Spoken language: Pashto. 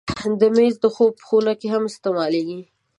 مېز د خوب خونه کې هم استعمالېږي.